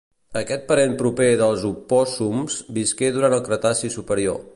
Aquest parent proper dels opòssums visqué durant el Cretaci superior.